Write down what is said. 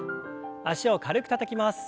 脚を軽くたたきます。